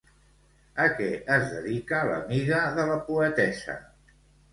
A què es dedica l'amiga de la poetessa?